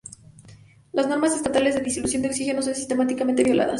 Las normas estatales de disolución de oxígeno son sistemáticamente violadas.